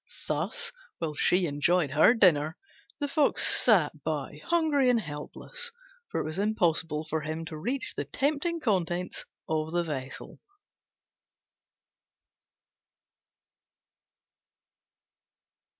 Thus, while she enjoyed her dinner, the Fox sat by hungry and helpless, for it was impossible for him to reach the tempting contents of the vessel.